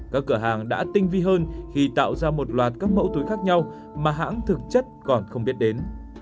các cửa hàng đã tinh vi hơn khi tạo ra một loạt các mẫu túi khác nhau mà hãng thực chất còn không biết đến